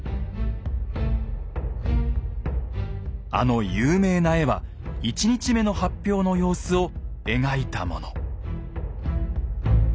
あの有名な絵は１日目の発表の様子を描いたもの。